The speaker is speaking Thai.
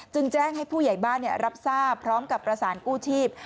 แจ้งให้ผู้ใหญ่บ้านรับทราบพร้อมกับประสานกู้ชีพ